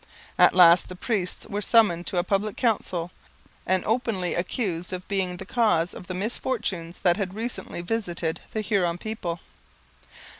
At last the priests were summoned to a public council and openly accused of being the cause of the misfortunes that had recently visited the Huron people.